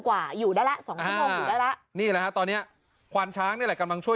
คือประจ๋วเหรียญการค้นส่ง